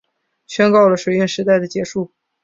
宣告了水运时代的结束